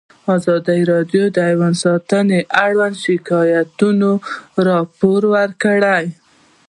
ازادي راډیو د حیوان ساتنه اړوند شکایتونه راپور کړي.